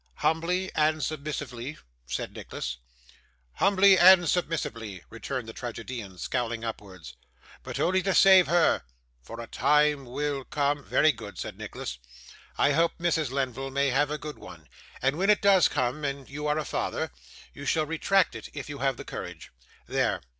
'Humbly and submissively?' said Nicholas. 'Humbly and submissively,' returned the tragedian, scowling upwards. 'But only to save her, for a time will come ' 'Very good,' said Nicholas; 'I hope Mrs. Lenville may have a good one; and when it does come, and you are a father, you shall retract it if you have the courage. There.